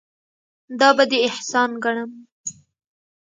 دا به دې احسان ګڼم.